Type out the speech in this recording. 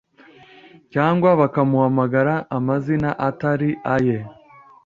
cyangwa bakamuhamagara amazina atari aye